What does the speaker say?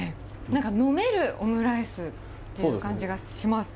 なんか飲めるオムライスという感じがします。